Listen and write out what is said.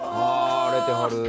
わ荒れてはる。